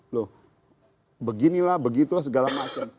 loh beginilah begitulah segala macam